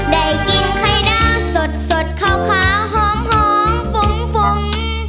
ได้กินไข่ดาวสดขาวหอมฝุ่ม